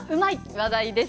話題です。